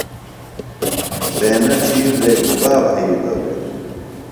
حُسینہ ڇِھیترے گُبا بھئِیتوۡ دےۡ؟